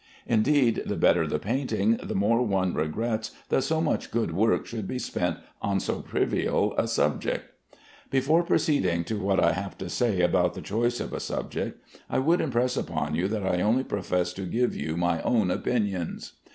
Indeed, the better the painting, the more one regrets that so much good work should be spent on so trivial an incident. Before proceeding to what I have to say about the choice of a subject, I would impress upon you that I only profess to give you my own opinions.